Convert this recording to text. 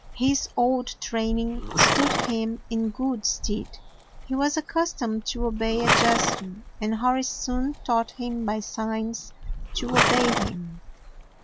His old train ing stood him in good stead. He was ac customed to obey a gesture, and Hori soon taught him by signs to obey him.